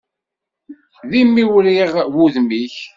D imiwriɣ wudem-ik.